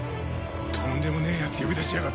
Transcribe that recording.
とんでもねえやつ呼び出しやがって。